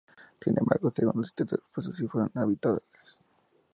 Sin embargo, segundos y terceros puestos sí fueron habituales.